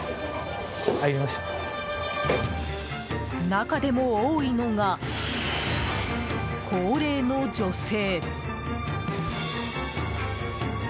中でも多いのが、高齢の女性。